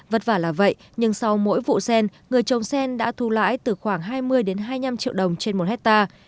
vất vả là vậy nhưng sau mỗi vụ sen người trồng sen đã thu lãi từ khoảng hai mươi hai mươi năm triệu đồng trên một hectare